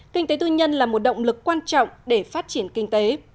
kinh tế tư nhân là một động lực quan trọng để phát triển kinh tế